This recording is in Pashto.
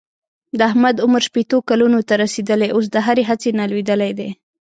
د احمد عمر شپېتو کلونو ته رسېدلی اوس د هرې هڅې نه لوېدلی دی.